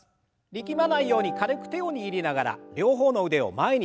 力まないように軽く手を握りながら両方の腕を前に上げて。